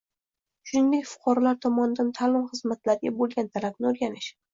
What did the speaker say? shuningdek fuqarolar tomonidan ta’lim xizmatlariga bo`lgan talabni o`rganish